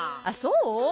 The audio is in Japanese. あっそう？